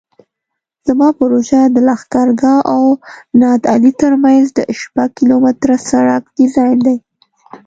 زما پروژه د لښکرګاه او نادعلي ترمنځ د شپږ کیلومتره سرک ډیزاین دی